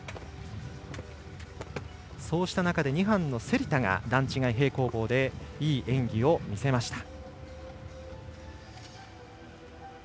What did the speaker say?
そうした中で２班の芹田が段違い平行棒でいい演技を見せました。